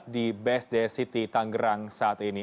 di best day city tanggerang saat ini